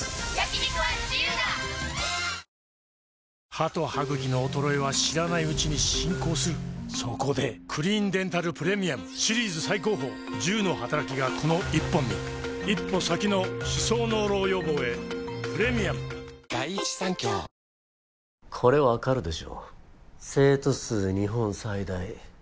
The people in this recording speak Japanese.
歯と歯ぐきの衰えは知らないうちに進行するそこで「クリーンデンタルプレミアム」シリーズ最高峰１０のはたらきがこの１本に一歩先の歯槽膿漏予防へプレミアム全国のお天気今村さんです。